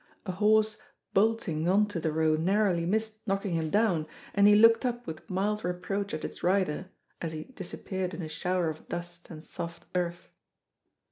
A horse bolting on to the Row narrowly missed knocking him down, and he looked up with mild reproach at its rider, as he disappeared in a shower of dust and soft earth.